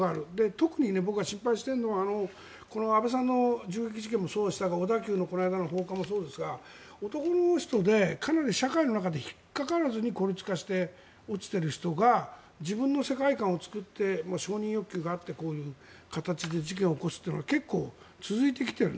特に僕が心配しているのは安倍さんの銃撃事件とか小田急のこの間の放火もそうですが男の人でかなり社会の中で引っかからずに孤立化して落ちている人が自分の世界観を作って承認欲求があって、こういう形で事件を起こすというのが結構続いてきている。